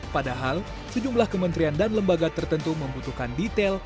padahal sejumlah kementerian dan lembaga tertentu membutuhkan detail